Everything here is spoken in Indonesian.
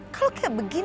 pantes aja kak fanny